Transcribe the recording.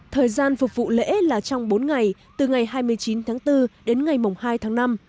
thời gian phục vụ lễ là trong bốn ngày từ ngày hai mươi chín tháng bốn đến ngày hai tháng năm